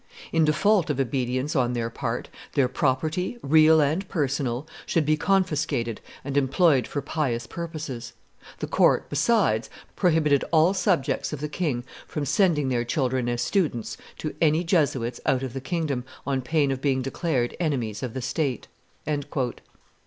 In default of obedience on their part, their property, real and personal, should be confiscated and employed for pious purposes. The court, besides, prohibited all subjects of the king from sending their children as students to any Jesuits out of the kingdom, on pain of being declared enemies of the state."